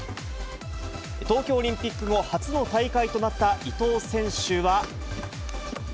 東京オリンピック後初の大会となった伊藤選手は。